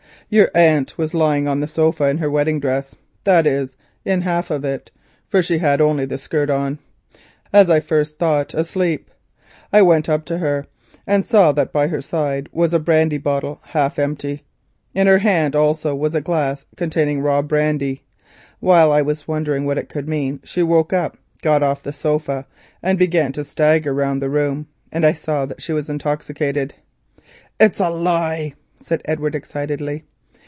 Your aunt was lying on the sofa in her wedding dress (that is, in half of it, for she had only the skirt on), as I first thought, asleep. I went up to her, and saw that by her side was a brandy bottle, half empty. In her hand also was a glass containing raw brandy. While I was wondering what it could mean, she woke up, got off the sofa, and I saw that she was intoxicated." "It's a lie!" said Edward excitedly.